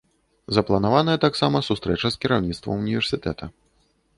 Запланаваная таксама сустрэча з кіраўніцтвам універсітэта.